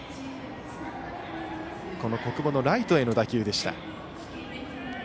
小久保のライトへの打球でした。